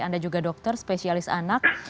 anda juga dokter spesialis anak